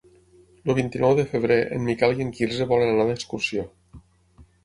El vint-i-nou de febrer en Miquel i en Quirze volen anar d'excursió.